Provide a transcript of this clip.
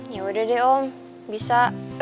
yaudah deh om bisa